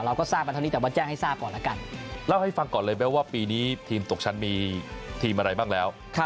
เราก็ทราบละเบิดเท่านี้แต่ว่าแจ้งให้ทราบก่อนละกัน